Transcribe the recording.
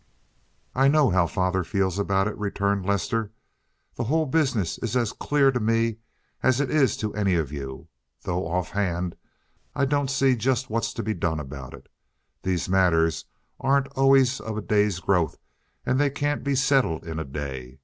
"I know how father feels about it," returned Lester. "The whole business is as clear to me as it is to any of you, though off hand I don't see just what's to be done about it. These matters aren't always of a day's growth, and they can't be settled in a day.